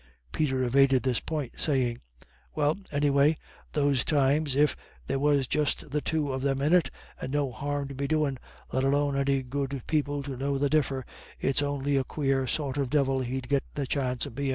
Peter evaded this point, saying, "Well, anyway, those times, if there was just the two of them in it, and no harm to be doin', let alone any good people to know the differ, it's on'y a quare sort of Divil he'd get the chance of bein'.